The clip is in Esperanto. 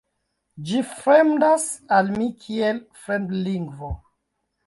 Ĝi fremdas al mi kiel fremdlingvo.